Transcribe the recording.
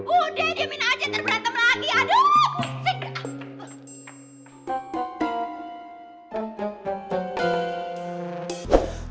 udah diamin aja ntar berantem lagi